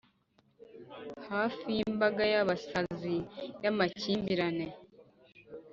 hafi yimbaga yabasazi yamakimbirane,